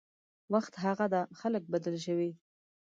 وخت هغه ده خلک بدل شوي